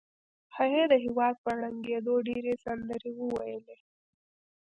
هغې د هېواد په ړنګېدو ډېرې سندرې وویلې